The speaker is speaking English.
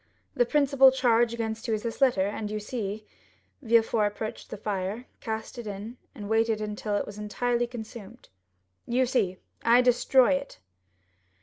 The principal charge against you is this letter, and you see——" Villefort approached the fire, cast it in, and waited until it was entirely consumed. "You see, I destroy it?"